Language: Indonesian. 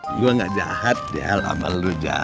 jal gue gak jahat jal ama lo jal